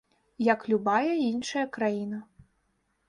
Як любая іншая краіна.